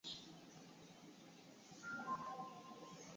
magumu lakini mahali pengi waliweza kubaki Waliruhusiwa kuendelea na